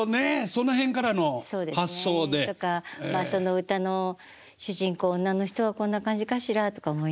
その辺からの発想で。とか歌の主人公の女の人はこんな感じかしらとか思いながら。